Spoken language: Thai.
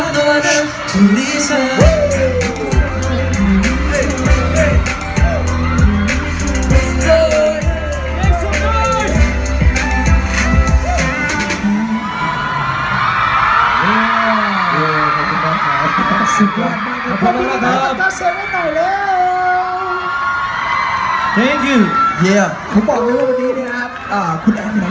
เยี่ยมมาก